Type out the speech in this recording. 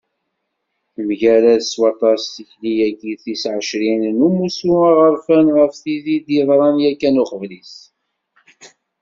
Temgarad s waṭas tikli-agi tis ɛecrin, n umussu aɣerfan, ɣef tid i d-yeḍran, yakan, uqbel-is.